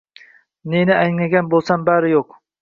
Neni anglagan bo’lsam bari yo’q.